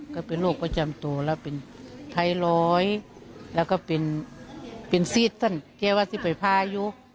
ก็เป็นโรคประจำตัวแล้วเป็นไทยร้อยแล้วก็เป็นเป็นซีดสั้นเกียร์ว่าจะไปพาอยู่